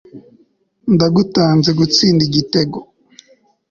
ndagutanze gutsinda igitego